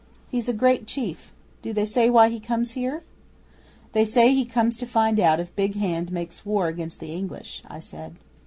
He's a great chief. Do they say why he comes here?" '"They say he comes to find out if Big Hand makes war against the English," I said.